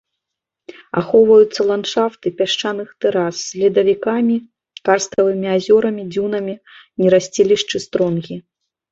Ахоўваюцца ландшафты пясчаных тэрас з ледавіковымі карставымі азёрамі, дзюнамі, нерасцілішчы стронгі.